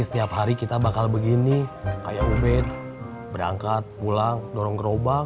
setiap hari kita bakal begini kayak ubed berangkat pulang dorong gerobak